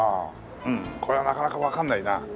これはなかなかわかんないな。